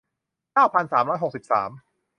เก้าพันสามร้อยหกสิบสาม